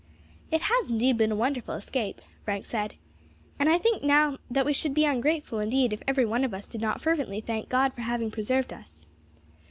"It has indeed been a wonderful escape," Frank said, "and I think now that we should be ungrateful indeed if every one of us did not fervently thank God for having preserved us."